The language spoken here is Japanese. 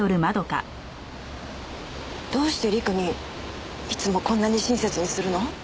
どうして陸にいつもこんなに親切にするの？